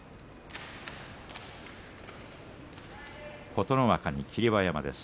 琴ノ若に霧馬山です。